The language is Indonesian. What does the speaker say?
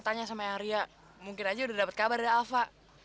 tanya sama arya mungkin aja udah dapet kabar dari alva